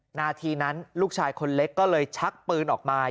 นาทีนั้นลูกชายคนเล็กก็เลยชักปืนออกมา